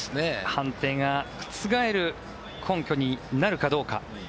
判定が覆る根拠になるかどうか。